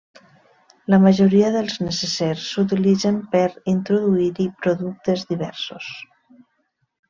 La majoria dels necessers s'utilitzen per introduir-hi productes diversos.